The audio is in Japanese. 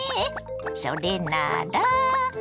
それなら。